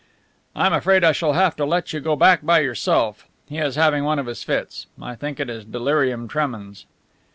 "I am afraid I shall have to let you go back by yourself. He is having one of his fits. I think it is delirium tremens."